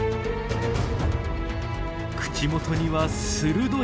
口元には鋭い歯。